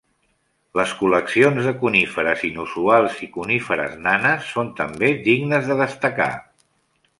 Les col·leccions de coníferes inusuals i coníferes nanes són també dignes de destacar.